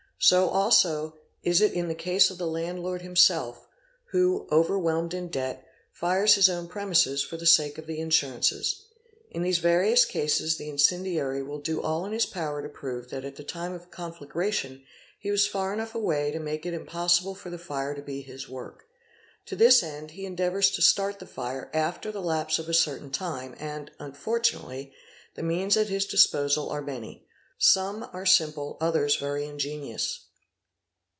So also is it in the case of the landlord himself, who, overwhelmed in debt, fires his own premises for the sake of the insurances. In these various cases the incendiary will do all in his power to prove that at the time of conflagration he was far enough away to make it impossible for the fire to be his work. To this end he endeavours to start the fire after the lapse of a certain time and, unfortunately, the means at his disposal are many; some are simple, others very ingenious